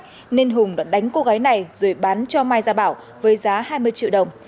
nên hùng đã đánh cô gái này rồi bán cho mai gia bảo với giá hai mươi triệu đồng